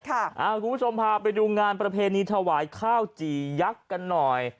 คุณผู้ชมพาไปดูงานประเพณีถวายข้าวจี่ยักษ์กันหน่อย